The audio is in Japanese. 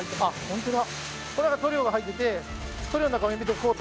本当だ！